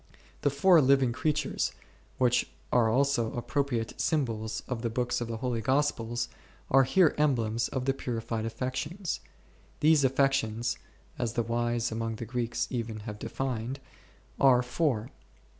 The four living creatures, which are also appropriate sym bols of the books of the Holy Gospels, are here em blems of the purified affections. These affections (as the wise among the Greeks even have defined) are four.